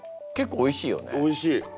おいしい。